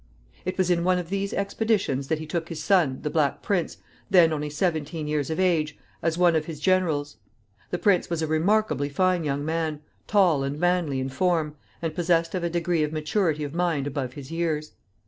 It was in one of these expeditions that he took his son, the Black Prince, then only seventeen years of age, as one of his generals. The prince was a remarkably fine young man, tall and manly in form, and possessed of a degree of maturity of mind above his years.